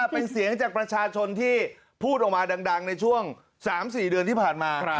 เป็นเสียงจากประชาชนที่พูดออกมาดังในช่วง๓๔เดือนที่ผ่านมา